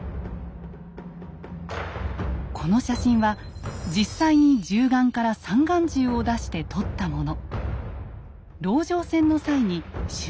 この写真は実際に銃眼から三眼銃を出して撮ったもの。